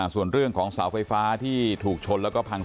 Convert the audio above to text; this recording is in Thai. ส่วนเรื่องของเสาไฟฟ้าที่ถูกชนแล้วก็พัง